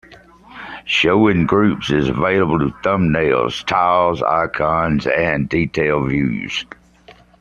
"Show in Groups" is available in Thumbnails, Tiles, Icons and Details views.